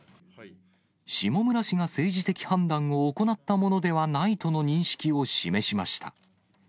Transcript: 下村氏が政治的判断を行ったものではないとの認識を示しました。